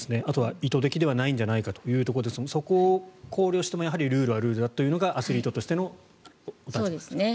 あとは意図的ではないんじゃないかということでそこを考慮してもやはりルールはルールだというのがアスリートとしての立場だと。